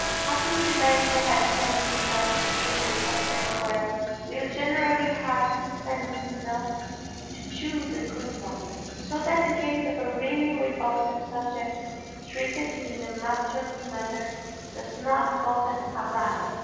Happily the man who has sense enough to treat a subject well will generally have sense enough to choose a good one, so that the case of a really repulsive subject treated in a masterly manner does not often arise.